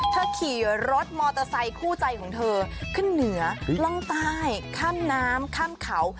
ขี่รถมอเตอร์ไซคู่ใจของเธอขึ้นเหนือร่องใต้ข้ามน้ำข้ามเขา